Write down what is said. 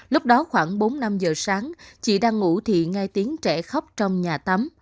lúc đó khoảng bốn năm giờ sáng chị đang ngủ thì nghe tiếng trẻ khóc trong nhà tắm